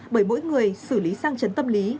bởi mỗi người xử lý sang chấn tâm lý